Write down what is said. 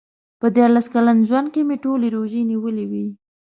په دیارلس کلن ژوند کې مې ټولې روژې نیولې وې.